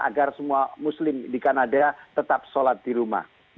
agar semua muslim di kanada tetap sholat di rumah